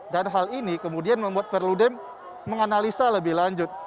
dan hal ini kemudian membuat perludem menganalisa lebih lanjut